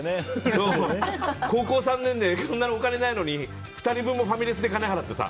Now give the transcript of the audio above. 高校３年でそんなにお金ないのに２人分もファミレスで金払ってさ。